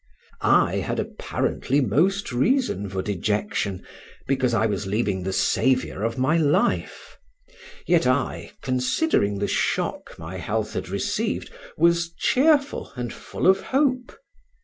I had apparently most reason for dejection, because I was leaving the saviour of my life; yet I, considering the shock my health had received, was cheerful and full of hope.